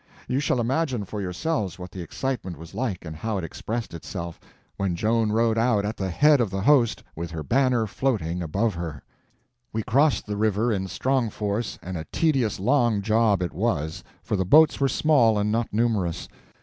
You shall imagine for yourselves what the excitement was like and how it expressed itself, when Joan rode out at the head of the host with her banner floating above her. We crossed the five in strong force, and a tedious long job it was, for the boats were small and not numerous.